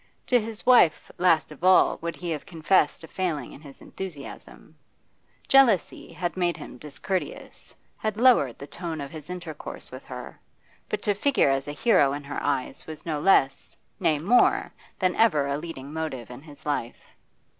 To his wife last of all he would have confessed a failing in his enthusiasm: jealousy had made him discourteous, had lowered the tone of his intercourse with her; but to figure as a hero in her eyes was no less, nay more, than ever a leading motive in his life.